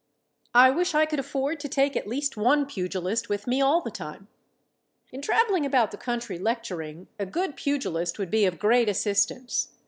I wish I could afford to take at least one pugilist with me all the time. In traveling about the country lecturing, a good pugilist would be of great assistance.